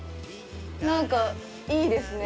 何かいいですね。